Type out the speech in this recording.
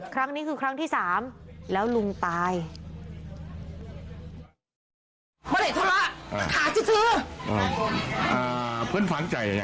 ครั้งนี้คือครั้งที่๓แล้วลุงตาย